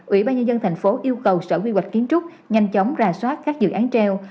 ủy ban nhân dân thành phố yêu cầu sở quy hoạch kiến trúc nhanh chóng ra soát các dự án treo